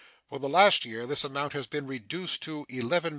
For the last year the amount has been reduced to $11,125,364.